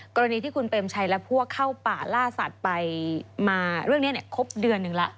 กรณีที่คุณเป็นใช้และพวกเข้าป่าล่าสัตว์ไปมาเรื่องเนี้ยเนี้ยครบเดือนหนึ่งล่ะ